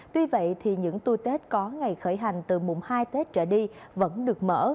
tuy vậy thì những tour tết có ngày khởi hành từ mùng hai tết trở đi vẫn được mở